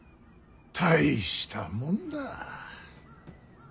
大したもんだ。